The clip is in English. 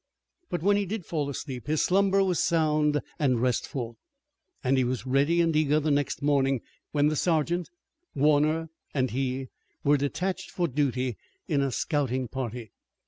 But when he did fall asleep his slumber was sound and restful, and he was ready and eager the next morning, when the sergeant, Warner, and he were detached for duty in a scouting party.